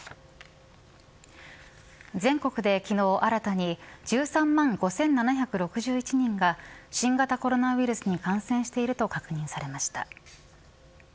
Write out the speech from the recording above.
全国で昨日、新たに１３万５７６１人が新型コロナウイルスに感染していると確認されました。